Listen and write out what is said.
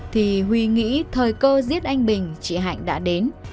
thì huy nghĩ thời cơ giết anh bình chị hạnh đã đến